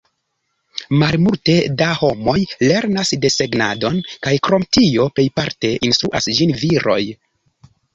Malmulte da homoj lernas desegnadon, kaj krom tio plejparte instruas ĝin viroj.